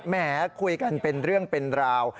แหมคุยกันเป็นเรื่องเป็นราว